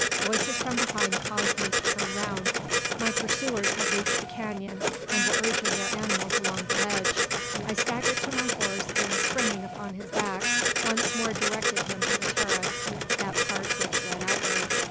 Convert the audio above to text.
Voices from behind caused me to turn round. My pursuers had reached the canon, and were urging their animals along the ledge. I staggered to my horse, and, springing upon his back, once more directed him to the terrace that part which led outward.